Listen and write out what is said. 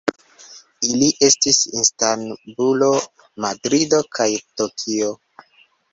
Ili estis Istanbulo, Madrido kaj Tokio.